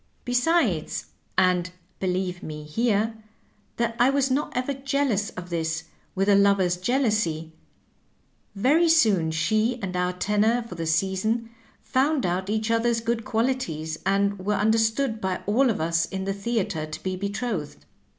Besides — ^and, believe me, Digitized by VjOOQIC THE ACTION TO TEE WORD. 125 here, that I was not ever jealous of this with a lover's jealousy — ^very soon she and our tenor for the season found out each other's good qualities, and were under stood by all of us in the theatre to be betrothed.